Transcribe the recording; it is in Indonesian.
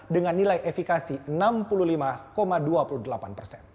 dengan nilai efikasi enam puluh lima dua puluh delapan persen